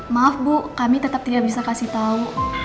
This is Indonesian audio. maaf bu kami tetap tidak bisa kasih tahu